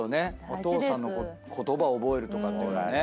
お父さんの言葉覚えるとかっていうのね。